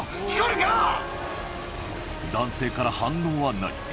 男性から反応はない。